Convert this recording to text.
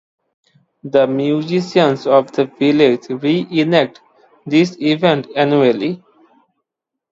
The musicians of the village re-enact this event annually.